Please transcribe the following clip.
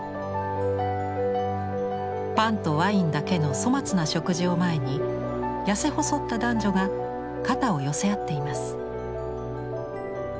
パンとワインだけの粗末な食事を前に痩せ細った男女が肩を寄せ合っています。